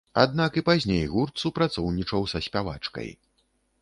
Аднак і пазней гурт супрацоўнічаў са спявачкай.